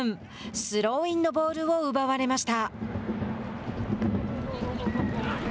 スローインのボールを奪われました。